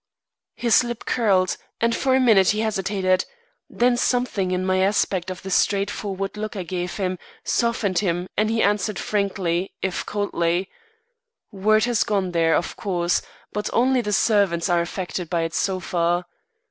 His lip curled, and for a minute he hesitated; then something in my aspect or the straight forward look I gave him, softened him and he answered frankly, if coldly: "Word has gone there, of course, but only the servants are affected by it so far.